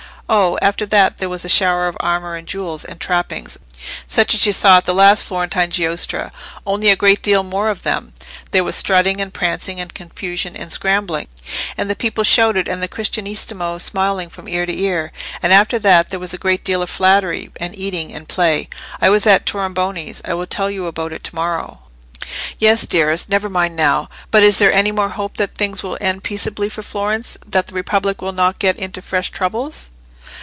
"Oh! after that, there was a shower of armour and jewels, and trappings, such as you saw at the last Florentine giostra, only a great deal more of them. There was strutting, and prancing, and confusion, and scrambling, and the people shouted, and the Cristianissimo smiled from ear to ear. And after that there was a great deal of flattery, and eating, and play. I was at Tornabuoni's. I will tell you about it to morrow." "Yes, dearest, never mind now. But is there any more hope that things will end peaceably for Florence, that the Republic will not get into fresh troubles?"